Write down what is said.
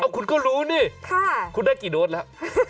คุณก็รู้นี่คุณได้กี่โดสแล้ว